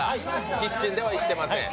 「キッチン」では行ってません。